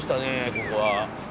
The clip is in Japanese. ここは。